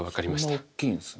そんな大きいんですね。